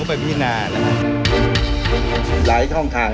วินัยนี่ขั้นไหนท่าน